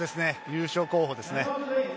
優勝候補ですね。